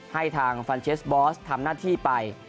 ให้ทางฟันเชสบอสทำหน้าที่ไป